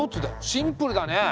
シンプルだね。